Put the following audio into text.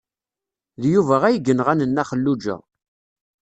D Yuba ay yenɣan Nna Xelluǧa.